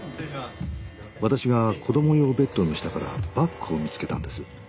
私が子供用ベッドの下からバッグを見つけたんです。